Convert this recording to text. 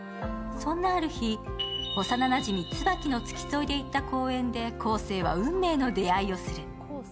そんなある日、幼なじみ・椿の付き添いで行った公園で公生は運命の出会いをする。